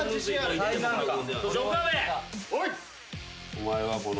お前はこの。